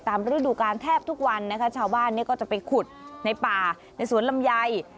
ตามฤดูกาลแทบทุกวันชาวบ้านก็จะไปขุดในป่าในสวนลำไย